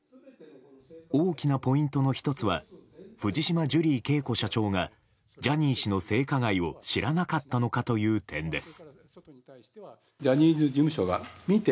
大きなポイントの１つは藤島ジュリー景子社長がジャニー氏の性加害を知らなかったのかという点です。